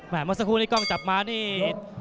เมื่อสักครู่นี้กล้องจับมานี่